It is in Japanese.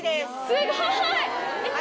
すごい！